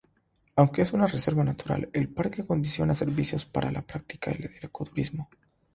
Aunque es una reserva natural, el parque acondiciona servicios para la práctica del eco-turismo.